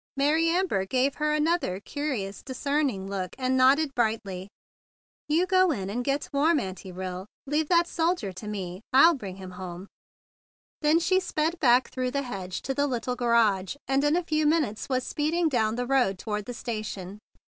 Mary Amber gave her another curious, discerning look, and nodded brightly. "You go in and get warm, Auntie Rill. Leave that soldier to me; I'll bring him home." Then she sped back through the hedge to the little garage, and in a few minutes was speeding down the road toward the station.